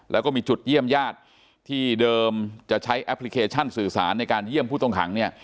แล้วก็มีจุดเยี่ยมญาติที่เดิมจะใช้แอปพลิเคชันสื่อสารในการเยี่ยมผู้ต้องขังเนี่ย